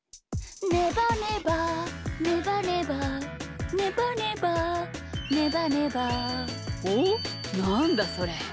「ねばねばねばねば」「ねばねばねばねば」おっなんだそれ？